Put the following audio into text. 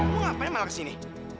lu ngapain malah kesini